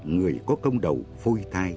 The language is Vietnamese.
người có công đậu phôi thai